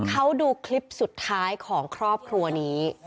เขาดูคลิปสุดท้ายของครอบครัวนี้